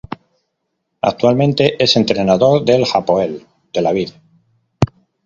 Actualmente es entrenador del Hapoel Tel Aviv.